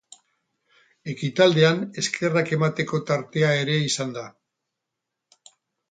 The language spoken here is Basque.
Ekitaldian, eskerrak emateko tartea ere izan da.